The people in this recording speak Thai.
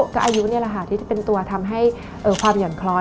ก็อายุนี่แหละค่ะที่จะเป็นตัวทำให้ความหย่อนคล้อย